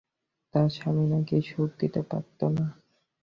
তার স্বামী নাকি সুখ দিতে পারতো না।